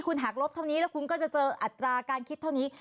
คุณหักลบเท่านี้แล้วคุณก็จะเจออัตราการคิดเท่านี้